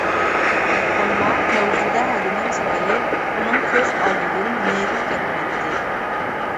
ئەمما مەۋجۇدە ھەدىنىڭ چىرايى ئۇنىڭ كۆز ئالدىدىن نېرى كەتمەيتتى.